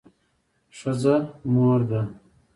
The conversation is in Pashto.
ښځه مور ده